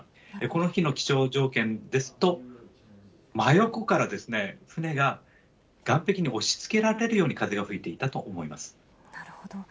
この日の気象条件ですと、真横から船が岩壁に押しつけられるように風が吹いていたと思いまなるほど。